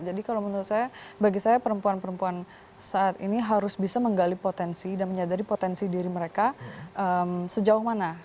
jadi kalau menurut saya bagi saya perempuan perempuan saat ini harus bisa menggali potensi dan menyadari potensi diri mereka sejauh mana